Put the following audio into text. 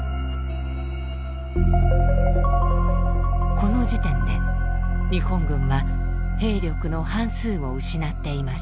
この時点で日本軍は兵力の半数を失っていました。